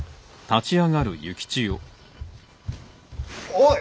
おい！